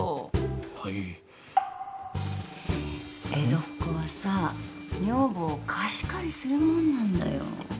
はい江戸っ子はさ女房を貸し借りするもんなんだよ